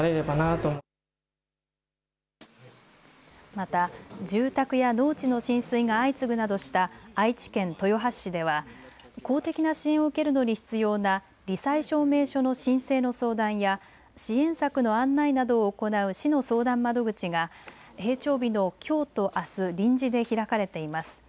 また住宅や農地の浸水が相次ぐなどした愛知県豊橋市では公的な支援を受けるのに必要なり災証明書の申請の相談や支援策の案内などを行う市の相談窓口が閉庁日のきょうとあす臨時で開かれています。